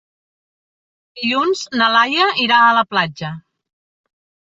Dilluns na Laia irà a la platja.